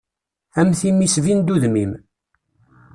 Am timmi sbin-d udem-im.